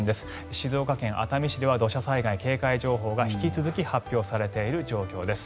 静岡県熱海市では土砂災害警戒情報が、引き続き発表されている状況です。